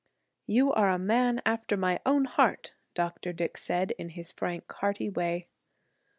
"You are a man after my own heart!" Dr. Dick said in his frank, hearty way.